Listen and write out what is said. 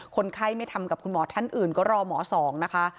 คนไข้ไม่ทำกับคุณหมอท่านอื่นก็รอหมอสองนะคะ